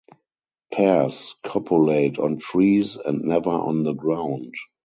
Pairs copulate on trees and never on the ground.